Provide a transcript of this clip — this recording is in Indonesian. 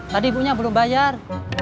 tadi ibunya belum bayar